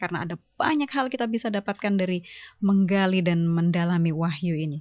karena ada banyak hal kita bisa dapatkan dari menggali dan mendalami wahyu ini